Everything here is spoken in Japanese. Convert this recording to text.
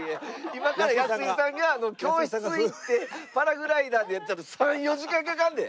今から安井さんが教室行ってパラグライダーでやったら３４時間かかるで。